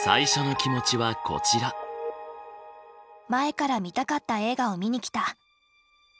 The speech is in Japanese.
前から見たかった映画を見に来た。